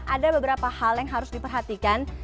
ada beberapa hal yang harus diperhatikan